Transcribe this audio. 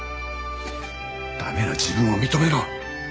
駄目な自分を認めろ！